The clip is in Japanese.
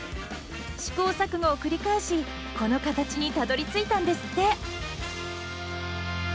試行錯誤を繰り返しこの形にたどりついたんですって！